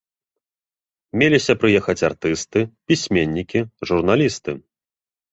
Меліся прыехаць артысты, пісьменнікі, журналісты.